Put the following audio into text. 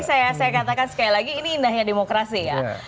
saya katakan sekali lagi ini indahnya demokrasi ya